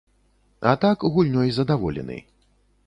А так гульнёй задаволены.